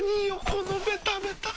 このベタベタ。